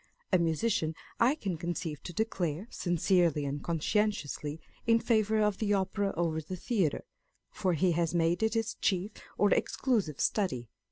A musician I can conceive to declare, sincerely and conscientiously, in favour of the Opera over the theatre, for he has made it his chief or exclusive study.